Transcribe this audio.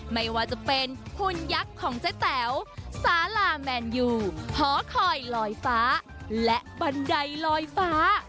ไม่ว่าจะเป็นหุ่นยักษ์ของเจ๊แต๋วสาลาแมนยูหอคอยลอยฟ้าและบันไดลอยฟ้า